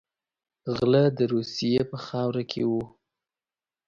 غله د روسیې په خاوره کې وو.